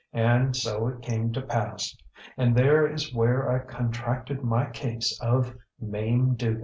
And so it came to pass. And there is where I contracted my case of Mame Dugan.